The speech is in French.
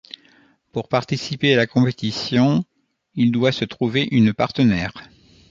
Pour participer à la compétition, il doit se trouver une partenaire.